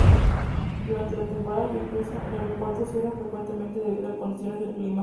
Durante la temporada lluviosa el aeropuerto cierra frecuentemente debido a condiciones del clima.